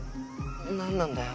何なんだよ。